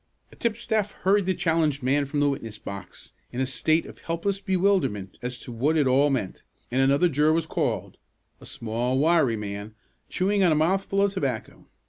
A tipstaff hurried the challenged man from the witness box, in a state of helpless bewilderment as to what it all meant, and another juror was called, a small, wiry man, chewing on a mouthful of tobacco.